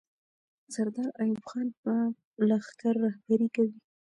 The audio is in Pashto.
سردار ایوب خان به لښکر رهبري کوي.